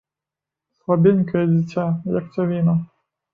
Слабенькае дзіця, як цявіна.